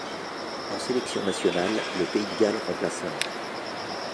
En sélections nationales, le Pays de Galles remplace l'Inde.